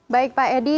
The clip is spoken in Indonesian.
baik pak edi